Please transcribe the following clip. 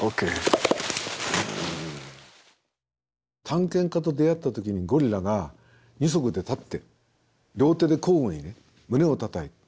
探検家と出会った時にゴリラが２足で立って両手で交互にね胸をたたいた。